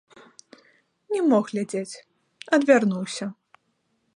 Не мог глядзець, адвярнуўся.